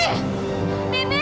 dalam tangan needs